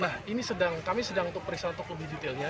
nah ini sedang kami sedang untuk periksa untuk lebih detailnya